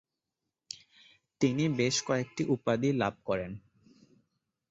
তিনি বেশ কয়েকটি উপাধি লাভ করেন।